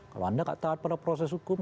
kalau anda tidak taat pada proses hukum